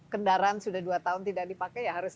kendaraan sudah dua tahun tidak dipakai ya harus